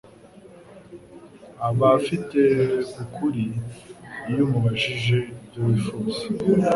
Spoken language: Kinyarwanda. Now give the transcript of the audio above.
aba afite ukuri iyumubajije ibyo wifuza